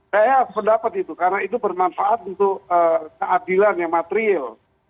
saya sependapat itu karena itu bermanfaat untuk keadilan yang material